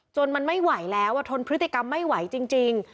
มันไม่ไหวแล้วทนพฤติกรรมไม่ไหวจริง